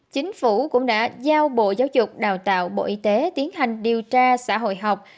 chính phủ cũng đã giao bộ giáo dục đào tạo bộ y tế tiến hành điều tra xã hội học